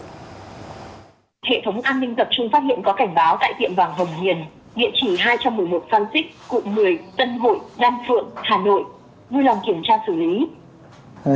hệ thống an ninh tập trung phát hiện có cảnh báo cải tiệm vàng hồng hiền